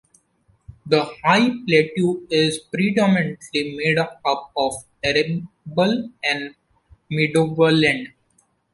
The high plateau is predominantly made up of arable and meadowland.